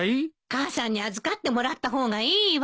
母さんに預かってもらった方がいいわ！